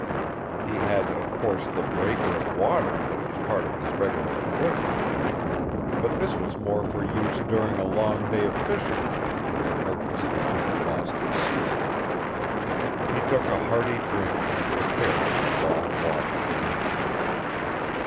He had, of course, the breaker of water that was part of his regular equipment; but this was more for use during a long day of fishing than for the emergency of being lost at sea. He took a hearty drink and prepared for the long watch of the night.